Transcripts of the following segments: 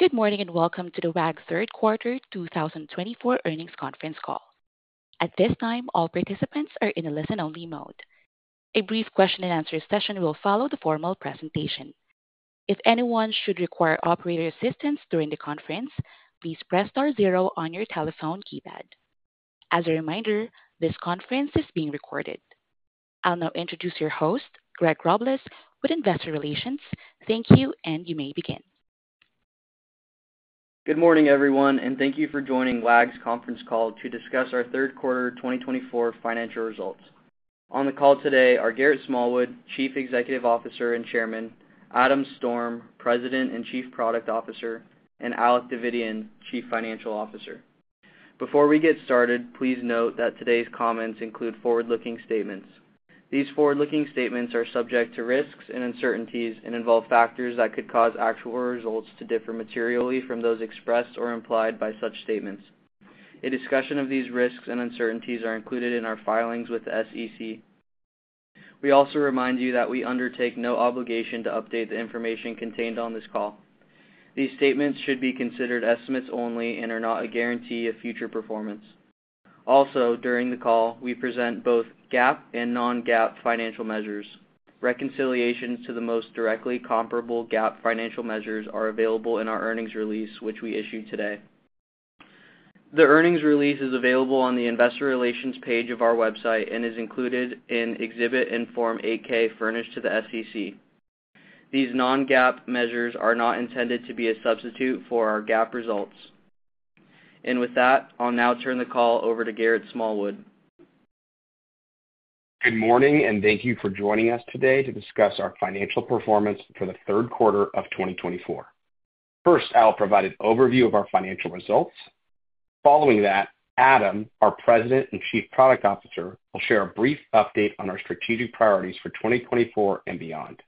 Good morning and welcome to the Wag! Third Quarter 2024 earnings conference call. At this time, all participants are in a listen-only mode. A brief question-and-answer session will follow the formal presentation. If anyone should require operator assistance during the conference, please press star zero on your telephone keypad. As a reminder, this conference is being recorded. I'll now introduce your host, Greg Robles, with Investor Relations. Thank you, and you may begin. Good morning, everyone, and thank you for joining Wag!'s conference call to discuss our third quarter 2024 financial results. On the call today are Garrett Smallwood, Chief Executive Officer and Chairman; Adam Storm, President and Chief Product Officer; and Alec Davidian, Chief Financial Officer. Before we get started, please note that today's comments include forward-looking statements. These forward-looking statements are subject to risks and uncertainties and involve factors that could cause actual results to differ materially from those expressed or implied by such statements. A discussion of these risks and uncertainties is included in our filings with the SEC. We also remind you that we undertake no obligation to update the information contained on this call. These statements should be considered estimates only and are not a guarantee of future performance. Also, during the call, we present both GAAP and non-GAAP financial measures. Reconciliations to the most directly comparable GAAP financial measures are available in our earnings release, which we issue today. The earnings release is available on the Investor Relations page of our website and is included in Exhibit and Form 8-K furnished to the SEC. These non-GAAP measures are not intended to be a substitute for our GAAP results. And with that, I'll now turn the call over to Garrett Smallwood. Good morning, and thank you for joining us today to discuss our financial performance for the Third Quarter of 2024. First, I'll provide an overview of our financial results. Following that, Adam, our President and Chief Product Officer, will share a brief update on our strategic priorities for 2024 and beyond.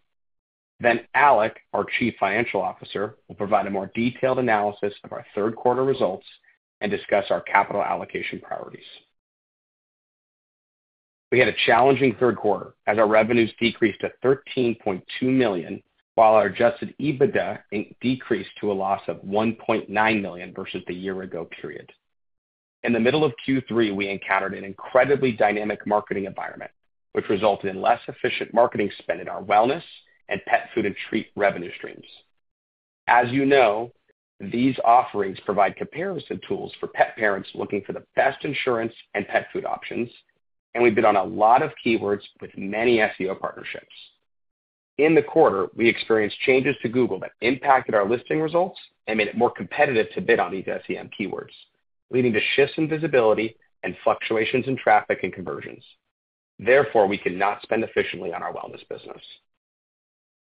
Then Alec, our Chief Financial Officer, will provide a more detailed analysis of our Third Quarter results and discuss our capital allocation priorities. We had a challenging Third Quarter as our revenues decreased to $13.2 million, while our Adjusted EBITDA decreased to a loss of $1.9 million versus the year-ago period. In the middle of Q3, we encountered an incredibly dynamic marketing environment, which resulted in less efficient marketing spend in our wellness and pet food and treat revenue streams. As you know, these offerings provide comparison tools for pet parents looking for the best insurance and pet food options, and we bid on a lot of keywords with many SEO partnerships. In the quarter, we experienced changes to Google that impacted our listing results and made it more competitive to bid on these SEM keywords, leading to shifts in visibility and fluctuations in traffic and conversions. Therefore, we could not spend efficiently on our wellness business.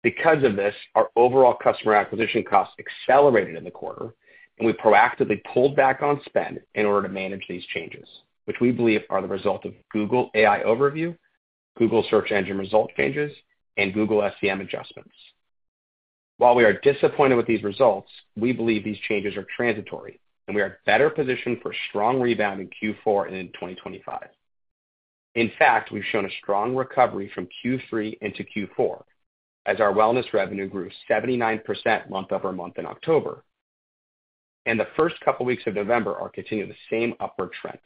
Because of this, our overall customer acquisition costs accelerated in the quarter, and we proactively pulled back on spend in order to manage these changes, which we believe are the result of Google AI Overview, Google search engine results changes, and Google SEM adjustments. While we are disappointed with these results, we believe these changes are transitory, and we are better positioned for a strong rebound in Q4 and in 2025. In fact, we've shown a strong recovery from Q3 into Q4 as our wellness revenue grew 79% month-over-month in October, and the first couple of weeks of November are continuing the same upward trend.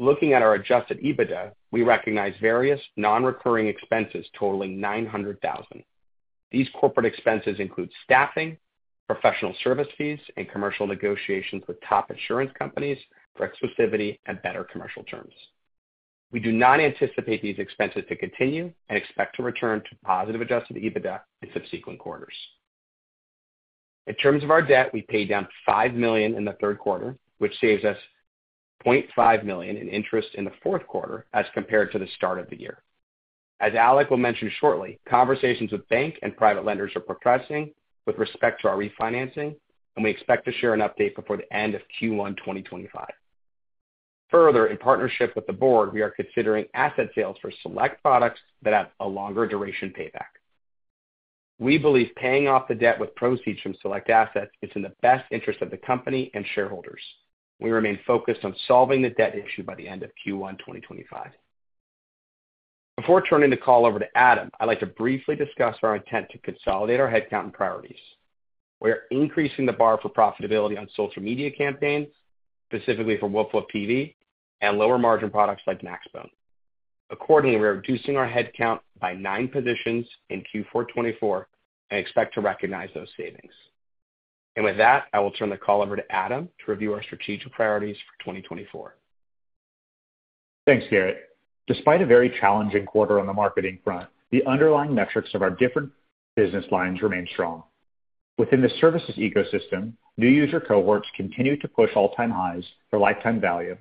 Looking at our Adjusted EBITDA, we recognize various non-recurring expenses totaling $900,000. These corporate expenses include staffing, professional service fees, and commercial negotiations with top insurance companies for exclusivity and better commercial terms. We do not anticipate these expenses to continue and expect to return to positive Adjusted EBITDA in subsequent quarters. In terms of our debt, we paid down $5 million in the Third Quarter, which saves us $0.5 million in interest in the Fourth Quarter as compared to the start of the year. As Alec will mention shortly, conversations with bank and private lenders are progressing with respect to our refinancing, and we expect to share an update before the end of Q1 2025. Further, in partnership with the board, we are considering asset sales for select products that have a longer duration payback. We believe paying off the debt with proceeds from select assets is in the best interest of the company and shareholders. We remain focused on solving the debt issue by the end of Q1 2025. Before turning the call over to Adam, I'd like to briefly discuss our intent to consolidate our headcount and priorities. We are increasing the bar for profitability on social media campaigns, specifically for Woof Woof TV, and lower-margin products like Maxbone. Accordingly, we are reducing our headcount by nine positions in Q4 2024 and expect to recognize those savings. And with that, I will turn the call over to Adam to review our strategic priorities for 2024. Thanks, Garrett. Despite a very challenging quarter on the marketing front, the underlying metrics of our different business lines remain strong. Within the services ecosystem, new user cohorts continue to push all-time highs for lifetime value.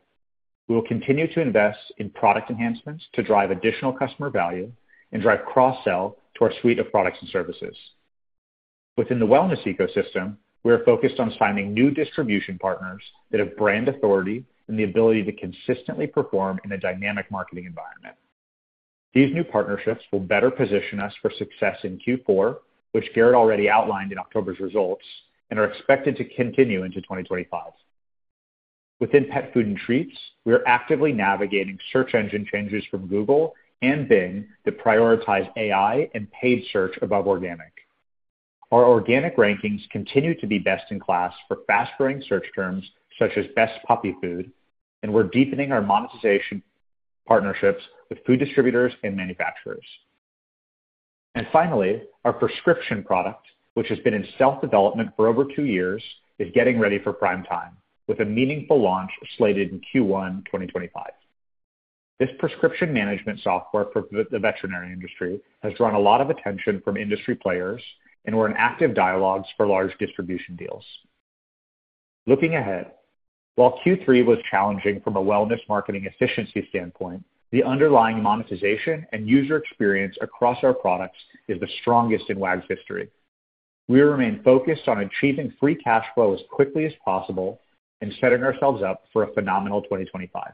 We will continue to invest in product enhancements to drive additional customer value and drive cross-sell to our suite of products and services. Within the wellness ecosystem, we are focused on finding new distribution partners that have brand authority and the ability to consistently perform in a dynamic marketing environment. These new partnerships will better position us for success in Q4, which Garrett already outlined in October's results, and are expected to continue into 2025. Within pet food and treats, we are actively navigating search engine changes from Google and Bing to prioritize AI and paid search above organic. Our organic rankings continue to be best in class for fast-growing search terms such as best puppy food, and we're deepening our monetization partnerships with food distributors and manufacturers, and finally, our prescription product, which has been in self-development for over two years, is getting ready for prime time with a meaningful launch slated in Q1 2025. This prescription management software for the veterinary industry has drawn a lot of attention from industry players, and we're in active dialogues for large distribution deals. Looking ahead, while Q3 was challenging from a wellness marketing efficiency standpoint, the underlying monetization and user experience across our products is the strongest in Wag!'s history. We remain focused on achieving free cash flow as quickly as possible and setting ourselves up for a phenomenal 2025.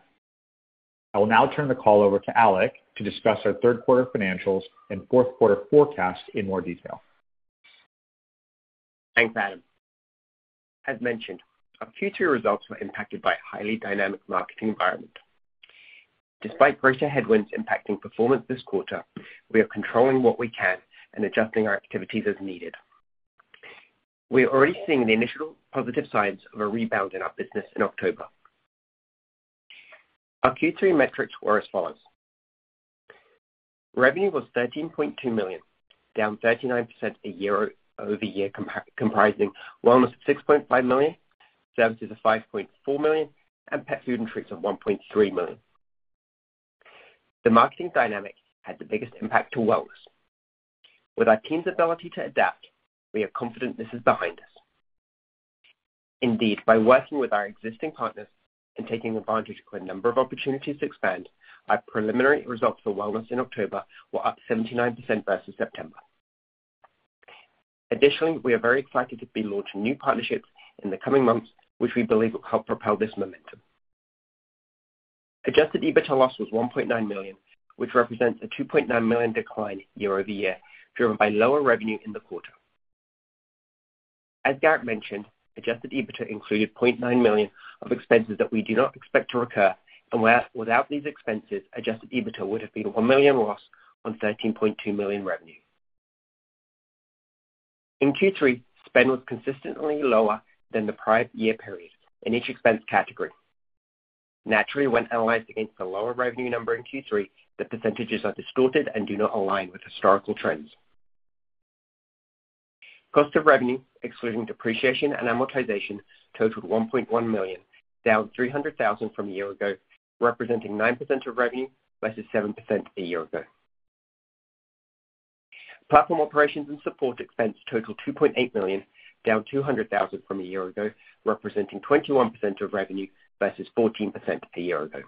I will now turn the call over to Alec to discuss our Third Quarter financials and Fourth Quarter forecast in more detail. Thanks, Adam. As mentioned, our Q3 results were impacted by a highly dynamic marketing environment. Despite pressure headwinds impacting performance this quarter, we are controlling what we can and adjusting our activities as needed. We are already seeing the initial positive signs of a rebound in our business in October. Our Q3 metrics were as follows. Revenue was $13.2 million, down 39% a year-over-year, comprising wellness of $6.5 million, services of $5.4 million, and pet food and treats of $1.3 million. The marketing dynamic had the biggest impact to wellness. With our team's ability to adapt, we are confident this is behind us. Indeed, by working with our existing partners and taking advantage of a number of opportunities to expand, our preliminary results for wellness in October were up 79% versus September. Additionally, we are very excited to be launching new partnerships in the coming months, which we believe will help propel this momentum. Adjusted EBITDA loss was $1.9 million, which represents a $2.9 million decline year-over-year, driven by lower revenue in the quarter. As Garrett mentioned, adjusted EBITDA included $0.9 million of expenses that we do not expect to recur, and without these expenses, adjusted EBITDA would have been a $1 million loss on $13.2 million revenue. In Q3, spend was consistently lower than the prior year period in each expense category. Naturally, when analyzed against the lower revenue number in Q3, the percentages are distorted and do not align with historical trends. Cost of revenue, excluding depreciation and amortization, totaled $1.1 million, down $300,000 from a year ago, representing 9% of revenue versus 7% a year ago. Platform operations and support expense totaled $2.8 million, down $200,000 from a year ago, representing 21% of revenue versus 14% a year ago.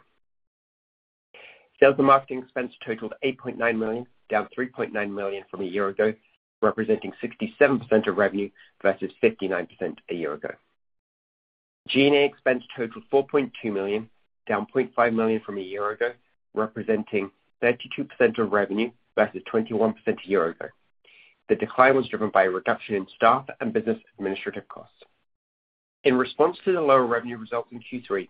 Sales and marketing expense totaled $8.9 million, down $3.9 million from a year ago, representing 67% of revenue versus 59% a year ago. G&A expense totaled $4.2 million, down $0.5 million from a year ago, representing 32% of revenue versus 21% a year ago. The decline was driven by a reduction in staff and business administrative costs. In response to the lower revenue results in Q3,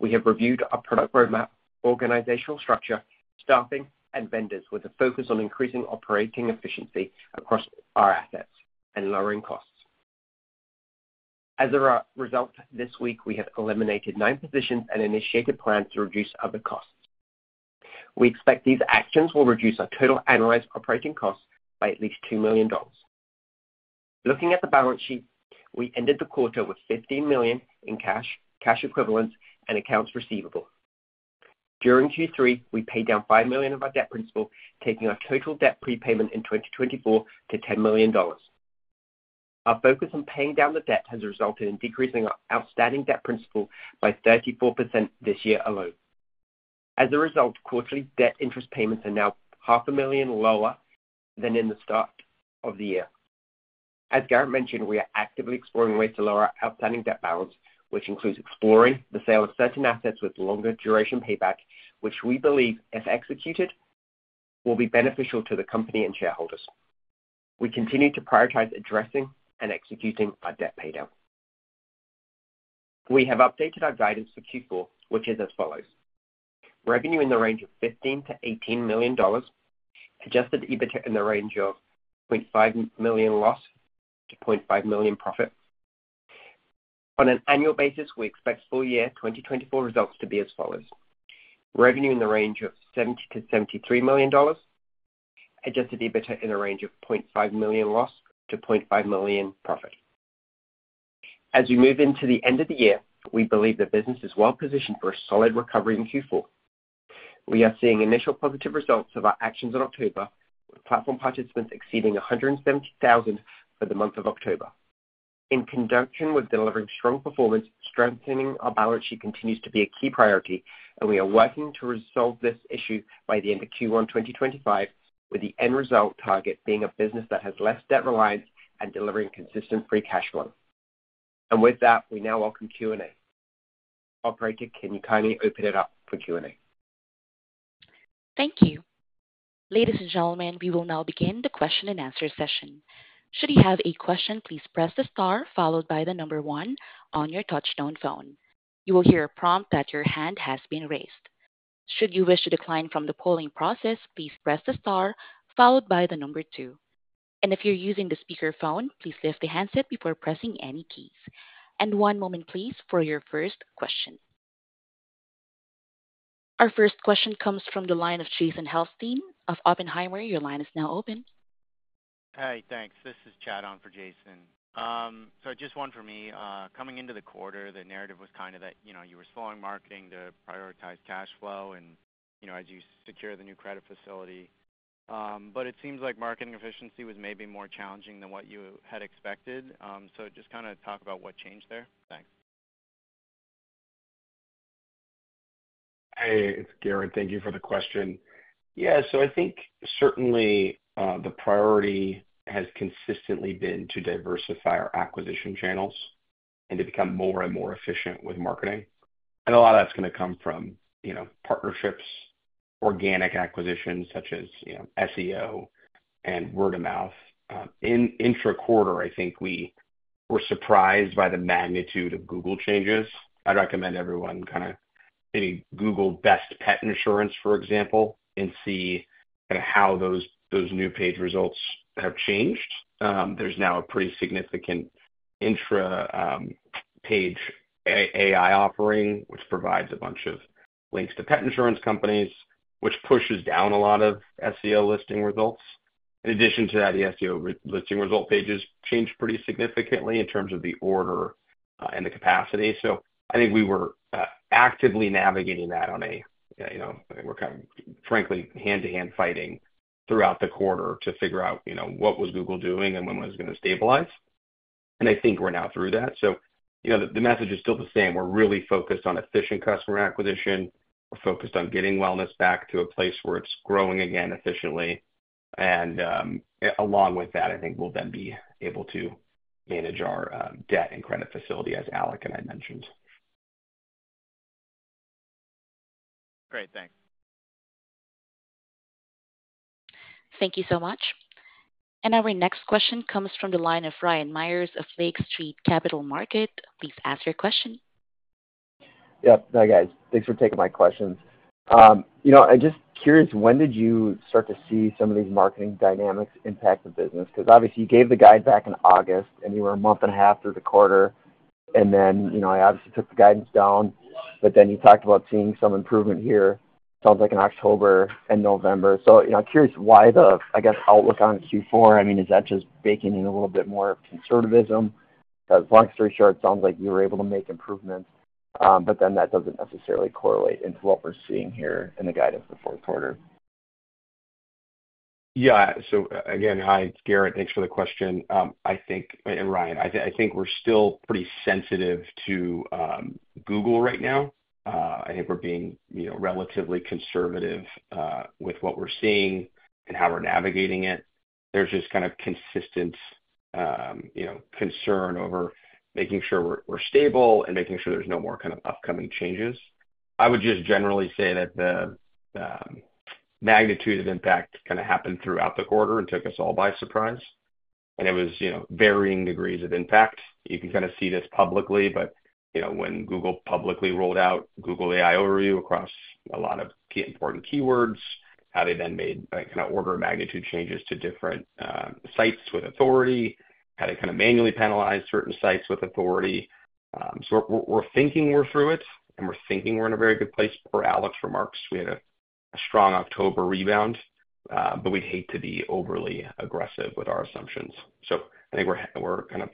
we have reviewed our product roadmap, organizational structure, staffing, and vendors with a focus on increasing operating efficiency across our assets and lowering costs. As a result, this week, we have eliminated nine positions and initiated plans to reduce other costs. We expect these actions will reduce our total annualized operating costs by at least $2 million. Looking at the balance sheet, we ended the quarter with $15 million in cash, cash equivalents, and accounts receivable. During Q3, we paid down $5 million of our debt principal, taking our total debt prepayment in 2024 to $10 million. Our focus on paying down the debt has resulted in decreasing our outstanding debt principal by 34% this year alone. As a result, quarterly debt interest payments are now $500,000 lower than in the start of the year. As Garrett mentioned, we are actively exploring ways to lower our outstanding debt balance, which includes exploring the sale of certain assets with longer duration payback, which we believe, if executed, will be beneficial to the company and shareholders. We continue to prioritize addressing and executing our debt paydown. We have updated our guidance for Q4, which is as follows: revenue in the range of $15-$18 million, adjusted EBITDA in the range of $0.5 million loss to $0.5 million profit. On an annual basis, we expect full year 2024 results to be as follows: revenue in the range of $70-$73 million, adjusted EBITDA in the range of $0.5 million loss to $0.5 million profit. As we move into the end of the year, we believe the business is well positioned for a solid recovery in Q4. We are seeing initial positive results of our actions in October, with platform participants exceeding 170,000 for the month of October. In conjunction with delivering strong performance, strengthening our balance sheet continues to be a key priority, and we are working to resolve this issue by the end of Q1 2025, with the end result target being a business that has less debt reliance and delivering consistent free cash flow and with that, we now welcome Q&A. Operator, can you kindly open it up for Q&A? Thank you. Ladies and gentlemen, we will now begin the question and answer session. Should you have a question, please press the star followed by the number one on your touch-tone phone. You will hear a prompt that your hand has been raised. Should you wish to withdraw from the polling process, please press the star followed by the number two. And if you're using the speakerphone, please lift the handset before pressing any keys. And one moment, please, for your first question. Our first question comes from the line of Jason Helfstein of Oppenheimer. Your line is now open. Hey, thanks. This is Chad on for Jason. So just one for me. Coming into the quarter, the narrative was kind of that you were slowing marketing to prioritize cash flow and as you secure the new credit facility. But it seems like marketing efficiency was maybe more challenging than what you had expected. So just kind of talk about what changed there. Thanks. Hey, it's Garrett. Thank you for the question. Yeah, so I think certainly the priority has consistently been to diversify our acquisition channels and to become more and more efficient with marketing, and a lot of that's going to come from partnerships, organic acquisitions such as SEO and word of mouth. In intra-quarter, I think we were surprised by the magnitude of Google changes. I'd recommend everyone kind of maybe Google best pet insurance, for example, and see kind of how those new page results have changed. There's now a pretty significant intra-page AI offering, which provides a bunch of links to pet insurance companies, which pushes down a lot of SEO listing results. In addition to that, the SEO listing result pages changed pretty significantly in terms of the order and the capacity. I think we were actively navigating that. I think we're kind of frankly hand-to-hand fighting throughout the quarter to figure out what Google was doing and when it was going to stabilize. I think we're now through that. The message is still the same. We're really focused on efficient customer acquisition. We're focused on getting wellness back to a place where it's growing again efficiently. Along with that, I think we'll then be able to manage our debt and credit facility, as Alec and I mentioned. Great. Thanks. Thank you so much. And our next question comes from the line of Ryan Meyers of Lake Street Capital Markets. Please ask your question. Yep. Hi, guys. Thanks for taking my questions. I'm just curious, when did you start to see some of these marketing dynamics impact the business? Because obviously, you gave the guide back in August, and you were a month and a half through the quarter. And then I obviously took the guidance down. But then you talked about seeing some improvement here, sounds like in October and November. So I'm curious why the, I guess, outlook on Q4, I mean, is that just baking in a little bit more of conservatism? Because long story short, it sounds like you were able to make improvements, but then that doesn't necessarily correlate into what we're seeing here in the guidance for the fourth quarter. Yeah. So again, hi, it's Garrett. Thanks for the question. I think, and Ryan, I think we're still pretty sensitive to Google right now. I think we're being relatively conservative with what we're seeing and how we're navigating it. There's just kind of consistent concern over making sure we're stable and making sure there's no more kind of upcoming changes. I would just generally say that the magnitude of impact kind of happened throughout the quarter and took us all by surprise, and it was varying degrees of impact. You can kind of see this publicly, but when Google publicly rolled out Google AI Overview across a lot of key important keywords, how they then made kind of order of magnitude changes to different sites with authority, how they kind of manually penalized certain sites with authority. So we're thinking we're through it, and we're thinking we're in a very good place per Alec's remarks. We had a strong October rebound, but we'd hate to be overly aggressive with our assumptions. So I think we're kind of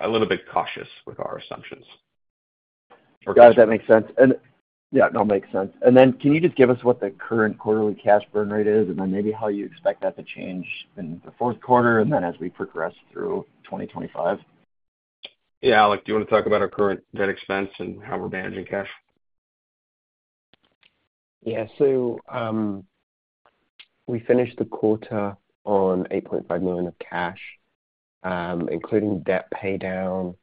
a little bit cautious with our assumptions. Got it. That makes sense. And yeah, no, makes sense. And then can you just give us what the current quarterly cash burn rate is, and then maybe how you expect that to change in the fourth quarter and then as we progress through 2025? Yeah, Alec, do you want to talk about our current debt expense and how we're managing cash? Yeah. So we finished the quarter on $8.5 million of cash, including debt paydown.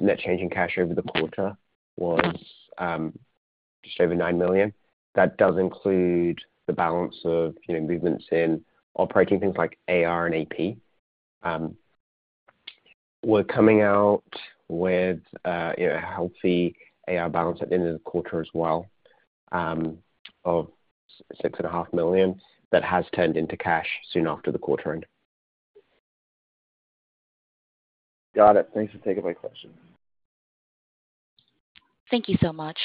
Net change in cash over the quarter was just over $9 million. That does include the balance of movements in operating things like AR and AP. We're coming out with a healthy AR balance at the end of the quarter as well of $6.5 million that has turned into cash soon after the quarter end. Got it. Thanks for taking my question. Thank you so much.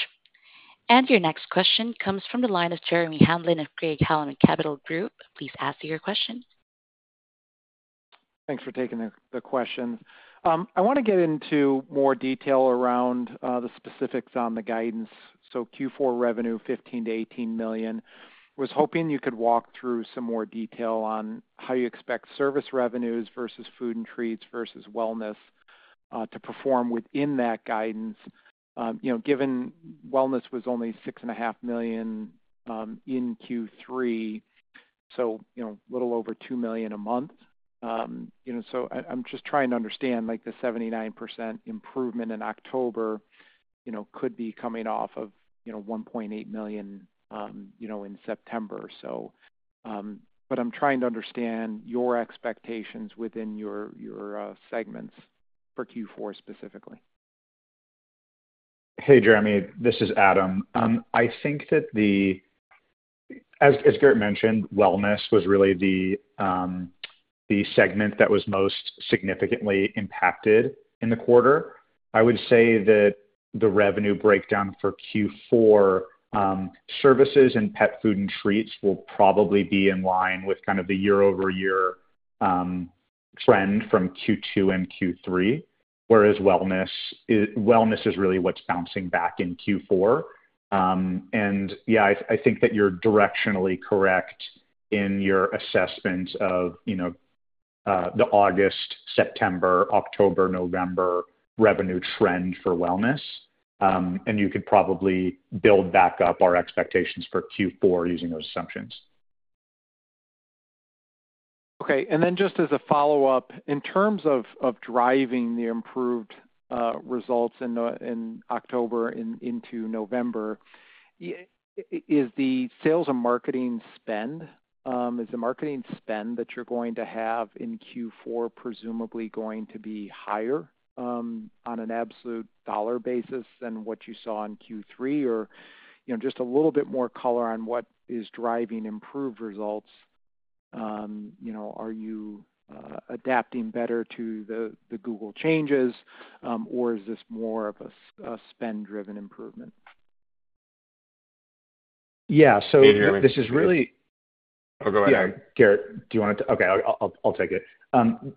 And your next question comes from the line of Jeremy Hamblin of Craig-Hallum Capital Group. Please ask your question. Thanks for taking the question. I want to get into more detail around the specifics on the guidance. So Q4 revenue $15-$18 million. I was hoping you could walk through some more detail on how you expect service revenues versus food and treats versus wellness to perform within that guidance. Given wellness was only $6.5 million in Q3, so a little over $2 million a month. So I'm just trying to understand the 79% improvement in October could be coming off of $1.8 million in September, so. But I'm trying to understand your expectations within your segments for Q4 specifically. Hey, Jeremy. This is Adam. I think that, as Garrett mentioned, wellness was really the segment that was most significantly impacted in the quarter. I would say that the revenue breakdown for Q4 services and pet food and treats will probably be in line with kind of the year-over-year trend from Q2 and Q3, whereas wellness is really what's bouncing back in Q4. And yeah, I think that you're directionally correct in your assessment of the August, September, October, November revenue trend for wellness. And you could probably build back up our expectations for Q4 using those assumptions. Okay. And then just as a follow-up, in terms of driving the improved results in October into November, is the sales and marketing spend, is the marketing spend that you're going to have in Q4 presumably going to be higher on an absolute dollar basis than what you saw in Q3? Or just a little bit more color on what is driving improved results? Are you adapting better to the Google changes, or is this more of a spend-driven improvement? Yeah, so this is really. Oh, go ahead. Yeah, Garrett, do you want to? Okay, I'll take it.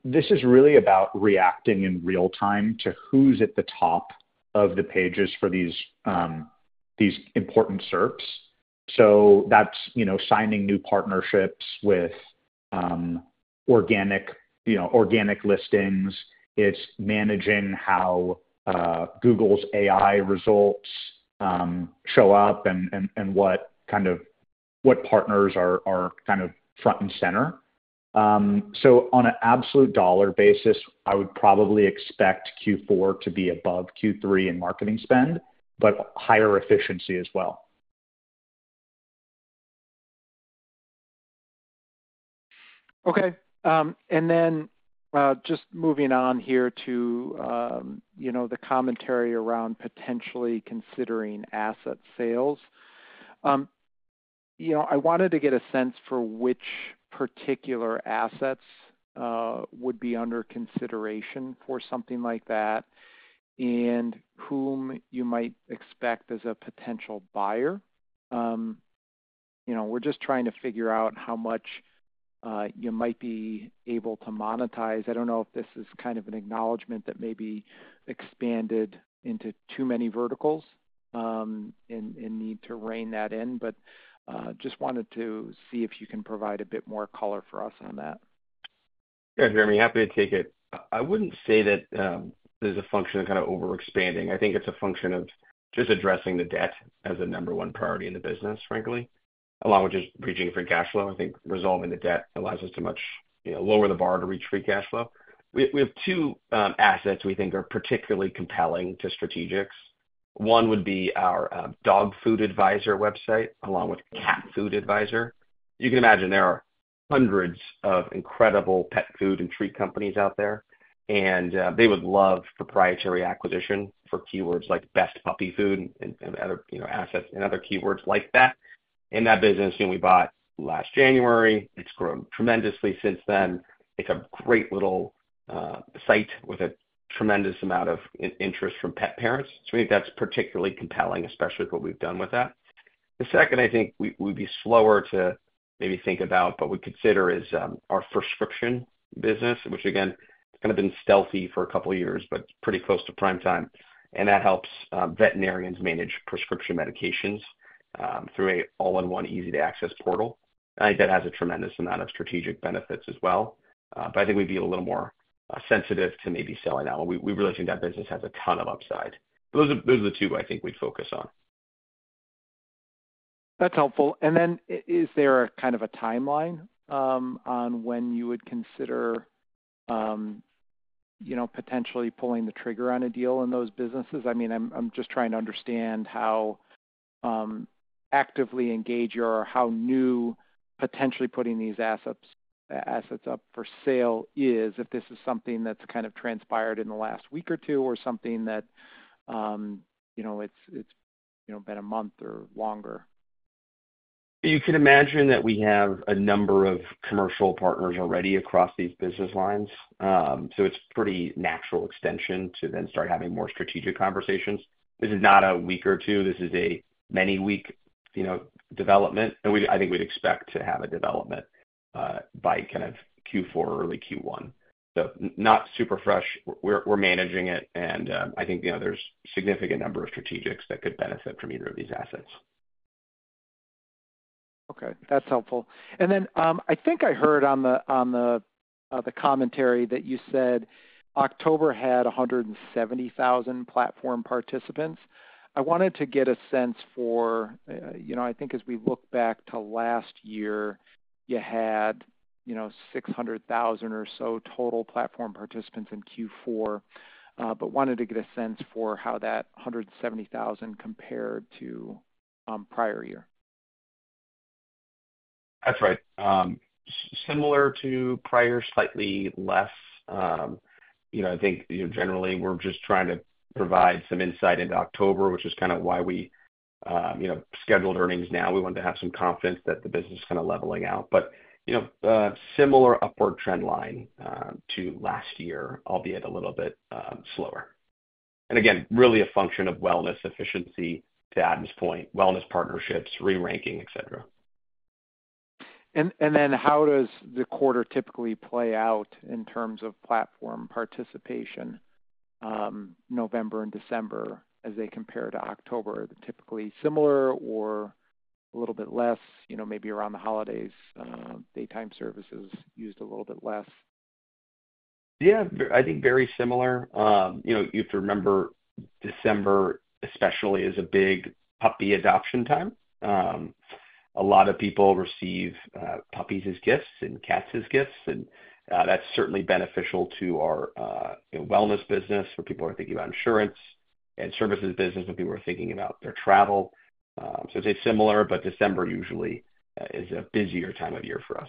This is really about reacting in real time to who's at the top of the pages for these important SERPs. So that's signing new partnerships with organic listings. It's managing how Google's AI results show up and what kind of partners are kind of front and center. So on an absolute dollar basis, I would probably expect Q4 to be above Q3 in marketing spend, but higher efficiency as well. Okay. And then just moving on here to the commentary around potentially considering asset sales. I wanted to get a sense for which particular assets would be under consideration for something like that and whom you might expect as a potential buyer. We're just trying to figure out how much you might be able to monetize. I don't know if this is kind of an acknowledgment that may be expanded into too many verticals and need to rein that in, but just wanted to see if you can provide a bit more color for us on that. Yeah, Jeremy, happy to take it. I wouldn't say that there's a function of kind of overexpanding. I think it's a function of just addressing the debt as a number one priority in the business, frankly, along with just reaching for cash flow. I think resolving the debt allows us to much lower the bar to reach free cash flow. We have two assets we think are particularly compelling to strategics. One would be our Dog Food Advisor website along with Cat Food Advisor. You can imagine there are hundreds of incredible pet food and treat companies out there, and they would love proprietary acquisition for keywords like best puppy food and other assets and other keywords like that. In that business, we bought last January. It's grown tremendously since then. It's a great little site with a tremendous amount of interest from pet parents. So I think that's particularly compelling, especially with what we've done with that. The second I think we'd be slower to maybe think about, but we'd consider is our prescription business, which again, it's kind of been stealthy for a couple of years, but pretty close to prime time. And that helps veterinarians manage prescription medications through an all-in-one, easy-to-access portal. I think that has a tremendous amount of strategic benefits as well. But I think we'd be a little more sensitive to maybe selling out. We really think that business has a ton of upside. Those are the two I think we'd focus on. That's helpful. And then is there a kind of a timeline on when you would consider potentially pulling the trigger on a deal in those businesses? I mean, I'm just trying to understand how actively engaged or how new potentially putting these assets up for sale is if this is something that's kind of transpired in the last week or two or something that it's been a month or longer. You can imagine that we have a number of commercial partners already across these business lines. So it's a pretty natural extension to then start having more strategic conversations. This is not a week or two. This is a many-week development. I think we'd expect to have a development by kind of Q4 or early Q1. So not super fresh. We're managing it. And I think there's a significant number of strategics that could benefit from either of these assets. Okay. That's helpful. And then I think I heard on the commentary that you said October had 170,000 platform participants. I wanted to get a sense for I think as we look back to last year, you had 600,000 or so total platform participants in Q4, but wanted to get a sense for how that 170,000 compared to prior year? That's right. Similar to prior, slightly less. I think generally we're just trying to provide some insight into October, which is kind of why we scheduled earnings now. We wanted to have some confidence that the business is kind of leveling out, but similar upward trend line to last year, albeit a little bit slower. And again, really a function of wellness efficiency to Adam's point, wellness partnerships, re-ranking, etc. And then how does the quarter typically play out in terms of platform participation November and December as they compare to October? Typically similar or a little bit less, maybe around the holidays, daytime services used a little bit less? Yeah. I think very similar. You have to remember December especially is a big puppy adoption time. A lot of people receive puppies as gifts and cats as gifts, and that's certainly beneficial to our wellness business where people are thinking about insurance and services business when people are thinking about their travel, so I'd say similar, but December usually is a busier time of year for us.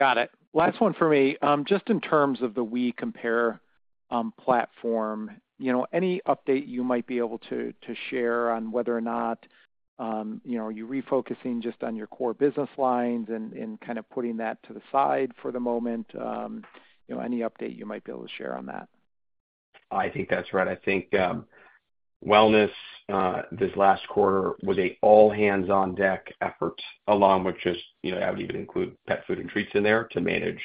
Got it. Last one for me. Just in terms of the WeCompare platform, any update you might be able to share on whether or not you're refocusing just on your core business lines and kind of putting that to the side for the moment? Any update you might be able to share on that? I think that's right. I think wellness this last quarter was an all-hands-on-deck effort along with just I would even include pet food and treats in there to manage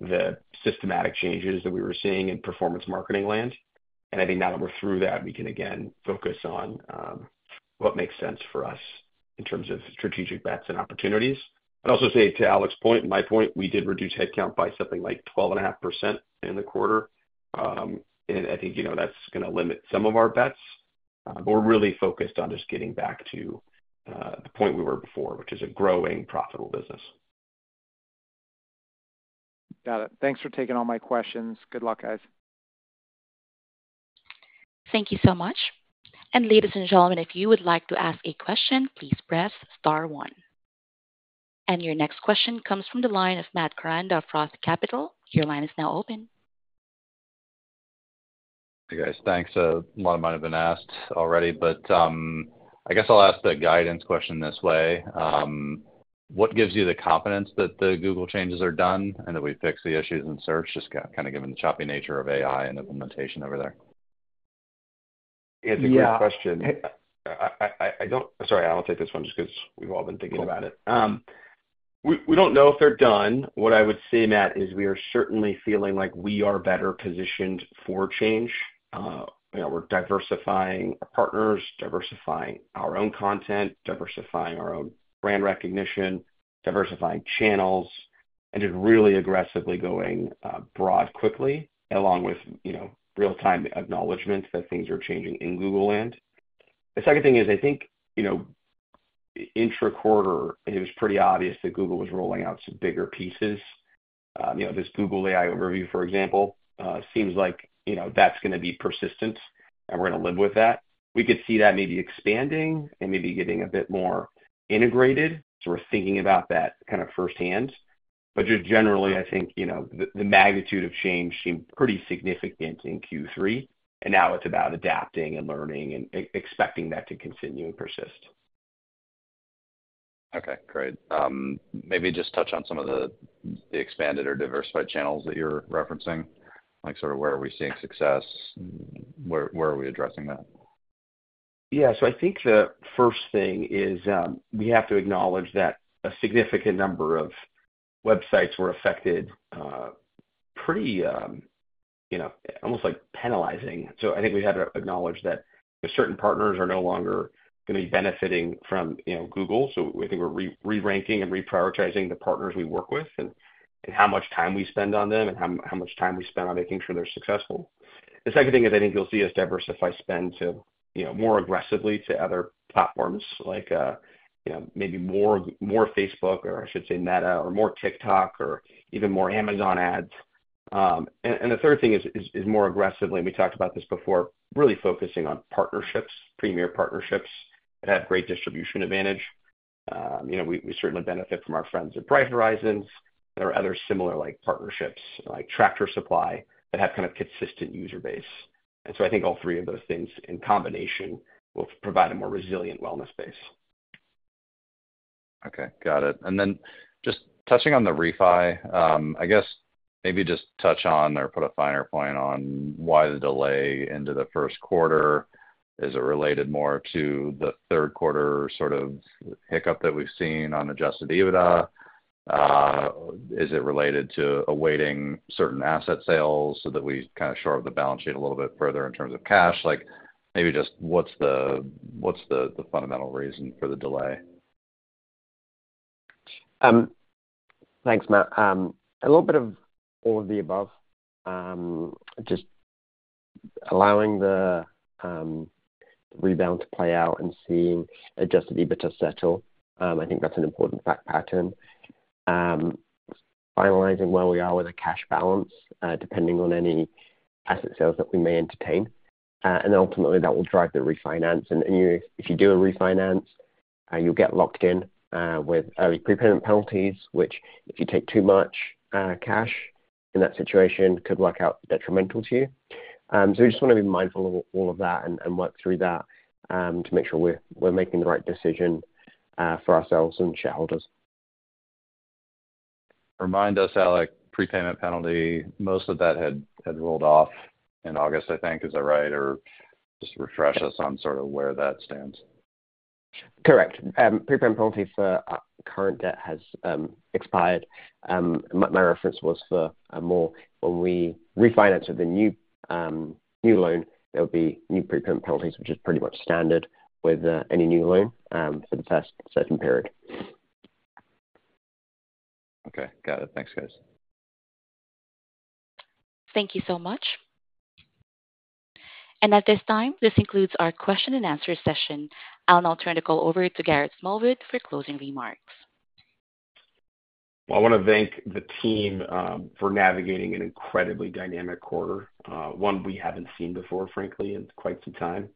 the systematic changes that we were seeing in performance marketing land. And I think now that we're through that, we can again focus on what makes sense for us in terms of strategic bets and opportunities. I'd also say to Alec's point, my point, we did reduce headcount by something like 12.5% in the quarter. And I think that's going to limit some of our bets. But we're really focused on just getting back to the point we were before, which is a growing profitable business. Got it. Thanks for taking all my questions. Good luck, guys. Thank you so much. And ladies and gentlemen, if you would like to ask a question, please press star one. And your next question comes from the line of Matt Koranda of Roth Capital Partners. Your line is now open. Hey, guys. Thanks. A lot of mine have been asked already, but I guess I'll ask the guidance question this way. What gives you the confidence that the Google changes are done and that we fix the issues in search, just kind of given the choppy nature of AI and implementation over there? It's a great question. I'm sorry, I'll take this one just because we've all been thinking about it. We don't know if they're done. What I would say, Matt, is we are certainly feeling like we are better positioned for change. We're diversifying our partners, diversifying our own content, diversifying our own brand recognition, diversifying channels, and just really aggressively going broad quickly along with real-time acknowledgments that things are changing in Google land. The second thing is I think intra-quarter, it was pretty obvious that Google was rolling out some bigger pieces. This Google AI Overview, for example, seems like that's going to be persistent, and we're going to live with that. We could see that maybe expanding and maybe getting a bit more integrated. So we're thinking about that kind of firsthand. But just generally, I think the magnitude of change seemed pretty significant in Q3, and now it's about adapting and learning and expecting that to continue and persist. Okay. Great. Maybe just touch on some of the expanded or diversified channels that you're referencing, like sort of where are we seeing success, where are we addressing that? Yeah. So I think the first thing is we have to acknowledge that a significant number of websites were affected pretty almost like penalizing. So I think we had to acknowledge that certain partners are no longer going to be benefiting from Google. So I think we're re-ranking and reprioritizing the partners we work with and how much time we spend on them and how much time we spend on making sure they're successful. The second thing is I think you'll see us diversify spend more aggressively to other platforms, like maybe more Facebook, or I should say Meta, or more TikTok, or even more Amazon ads. And the third thing is more aggressively, and we talked about this before, really focusing on partnerships, premier partnerships that have great distribution advantage. We certainly benefit from our friends at Bright Horizons. There are other similar partnerships like Tractor Supply that have kind of consistent user base. And so I think all three of those things in combination will provide a more resilient wellness base. Okay. Got it. And then just touching on the refi, I guess maybe just touch on or put a finer point on why the delay into the first quarter. Is it related more to the third quarter sort of hiccup that we've seen on adjusted EBITDA? Is it related to awaiting certain asset sales so that we kind of shore up the balance sheet a little bit further in terms of cash? Maybe just what's the fundamental reason for the delay? Thanks, Matt. A little bit of all of the above, just allowing the rebound to play out and seeing Adjusted EBITDA settle. I think that's an important fact pattern. Finalizing where we are with a cash balance depending on any asset sales that we may entertain. And then ultimately, that will drive the refinance. And if you do a refinance, you'll get locked in with early prepayment penalties, which if you take too much cash in that situation could work out detrimental to you. So we just want to be mindful of all of that and work through that to make sure we're making the right decision for ourselves and shareholders. Remind us, Alec, prepayment penalty, most of that had rolled off in August, I think. Is that right? Or just refresh us on sort of where that stands. Correct. Prepayment penalty for current debt has expired. My reference was for more when we refinance with a new loan, there will be new prepayment penalties, which is pretty much standard with any new loan for the first certain period. Okay. Got it. Thanks, guys. Thank you so much, and at this time, this includes our question and answer session. I'll now turn it over to Garrett Smallwood for closing remarks. Well, I want to thank the team for navigating an incredibly dynamic quarter, one we haven't seen before, frankly, in quite some time.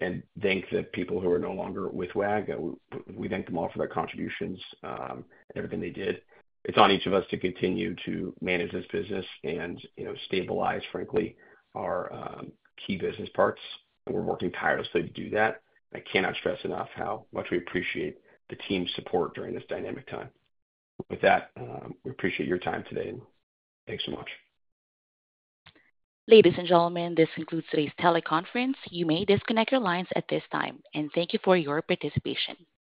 And thank the people who are no longer with Wag!. We thank them all for their contributions and everything they did. It's on each of us to continue to manage this business and stabilize, frankly, our key business parts. And we're working tirelessly to do that. I cannot stress enough how much we appreciate the team's support during this dynamic time. With that, we appreciate your time today. Thanks so much. Ladies and gentlemen, this concludes today's teleconference. You may disconnect your lines at this time, and thank you for your participation.